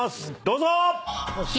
どうぞ！